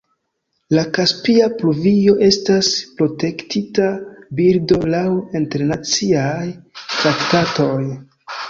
La kaspia pluvio estas protektita birdo laŭ internaciaj traktatoj.